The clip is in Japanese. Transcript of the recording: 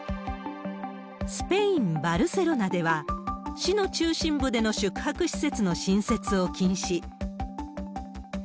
スペイン・バルセロナでは、市の中心部での宿泊施設の新設を禁止。